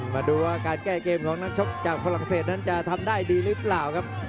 มาดูว่าการแก้เกมของนักชกจากฝรั่งเศสนั้นจะทำได้ดีหรือเปล่าครับ